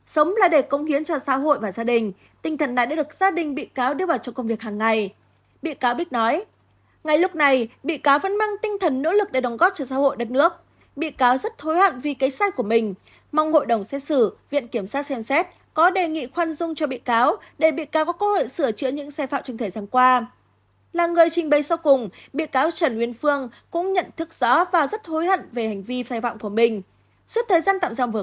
sống là để công hiến cho xã hội và gia đình tinh thần đã được gia đình bị cáo đưa vào trong công việc hàng ngày